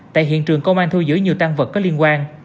tại hiện trường công an thu giữ nhiều tăng vật có liên quan